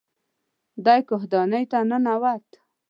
دی کاهدانې ته ننوت.